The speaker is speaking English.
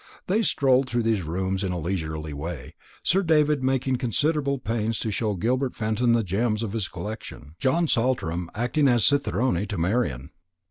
They strolled through these rooms in a leisurely way, Sir David making considerable pains to show Gilbert Fenton the gems of his collection, John Saltram acting as cicerone to Marian.